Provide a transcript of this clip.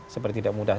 seperti tidak mudah